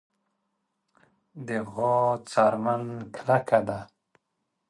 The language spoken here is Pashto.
د غوا څرمن کلکه ده.